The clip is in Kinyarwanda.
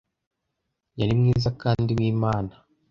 yari mwiza kandi wimana